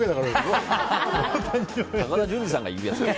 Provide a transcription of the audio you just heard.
高田純次さんが言うやつ。